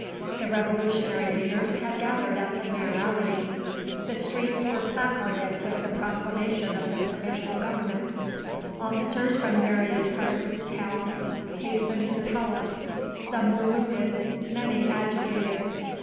The Revolutionary leaders had gathered at the Mayoralty. The streets were placarded with the Proclamation of the Provisional Government. Officers from various parts of the town hastened to the palace; some were wounded, many agitated.